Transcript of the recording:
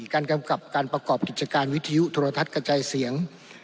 กำกับการประกอบกิจการวิทยุโทรทัศน์กระจายเสียง